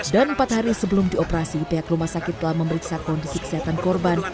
dan empat hari sebelum dioperasi pihak rumah sakit telah memeriksa kondisi kesehatan korban